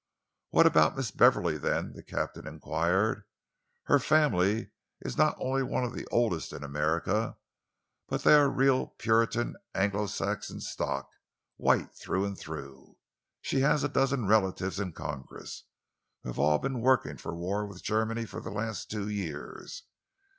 "What about Miss Beverley then?" the captain enquired. "Her family is not only one of the oldest in America, but they are real Puritan, Anglo Saxon stock, white through and through. She has a dozen relatives in Congress, who have all been working for war with Germany for the last two years.